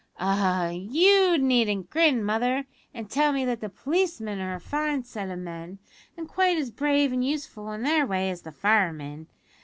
"Ah, you needn't grin, mother, an' tell me that the `_policemen_' are a fine set of men, and quite as brave and useful in their way as the firemen.